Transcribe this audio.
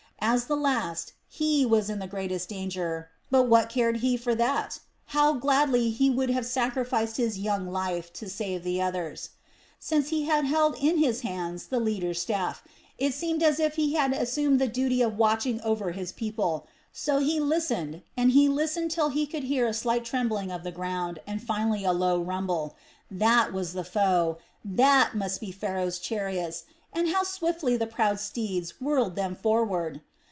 As the last, he was in the greatest danger; but what cared he for that? How gladly he would have sacrificed his young life to save the others. Since he had held in his hand the leader's staff, it seemed to him as if he had assumed the duty of watching over his people, so he listened and listened till he could hear a slight trembling of the ground and finally a low rumble. That was the foe, that must be Pharaoh's chariots, and how swiftly the proud steeds whirled them forward.